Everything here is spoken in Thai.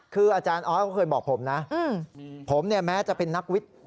คืออาจารย์ออสก็เคยบอกผมนะผมเนี่ยแม้จะเป็นนักวิทย์